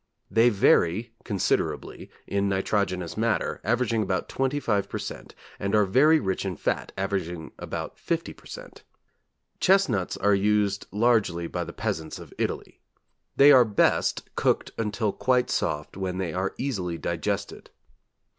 They vary considerably in nitrogenous matter, averaging about 25 per cent. and are very rich in fat, averaging about 50 per cent. Chestnuts are used largely by the peasants of Italy. They are best cooked until quite soft when they are easily digested.